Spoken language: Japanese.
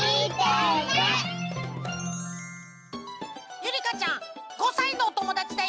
ゆりかちゃん５さいのおともだちだよ。